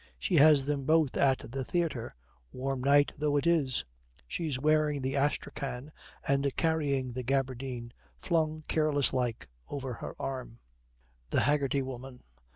She has them both at the theatre, warm night though it is. She's wearing the astrakhan, and carrying the gabardine, flung careless like over her arm.' THE HAGGERTY WOMAN.